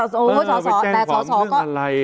โอ้สสไปแจ้งความว่าเรื่องอะไร